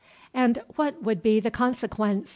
"And what would be the consequence?"